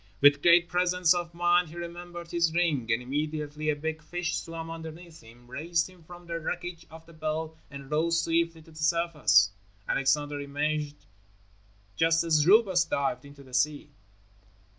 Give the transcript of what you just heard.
With great presence of mind he remembered his ring, and immediately a big fish swam underneath him, raised him from the wreckage of the bell and rose swiftly to the surface. Alexander emerged just as Robus dived into the sea.